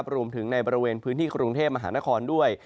รวมถึงในบริเวณพื้นที่กรุงเทพมหานครด้วย